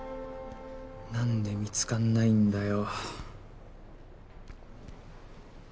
何で見つかんないんだよ。